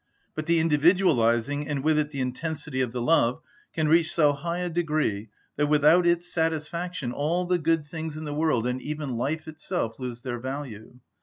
But the individualising, and with it the intensity of the love, can reach so high a degree that without its satisfaction all the good things in the world, and even life itself, lose their value.